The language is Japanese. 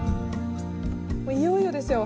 いよいよですよ